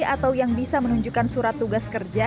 atau yang bisa menunjukkan surat tugas kerja